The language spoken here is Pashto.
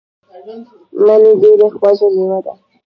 مڼې ډیره خوږه میوه ده.